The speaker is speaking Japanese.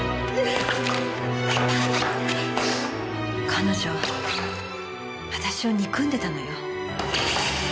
彼女私を憎んでたのよ。